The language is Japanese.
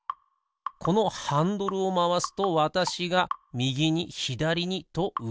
このハンドルをまわすとわたしがみぎにひだりにとうごく箱。